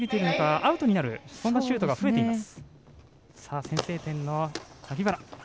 アウトになるシュートが増えています。